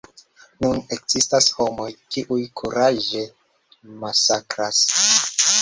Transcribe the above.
Nun ekzistas homoj, kiuj kuraĝe masakras.